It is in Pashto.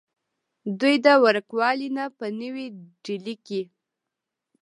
دوي د وړوکوالي نه پۀ نوي ډيلي کښې